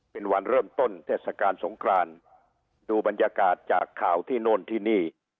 เป็นวันเริ่มต้นเทศกาลสงครานดูบรรยากาศจากข่าวที่โน่นที่นี่